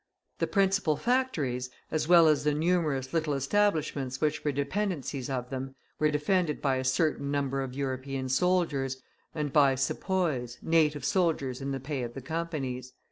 The principal factories, as well as the numerous little establishments which were dependencies of them, were defended by a certain number of European soldiers, and by Sepoys, native soldiers in the pay of the Companies.